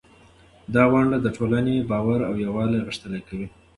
دا ونډه د ټولنې باور او یووالی غښتلی کوي.